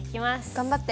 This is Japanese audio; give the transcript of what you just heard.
頑張って。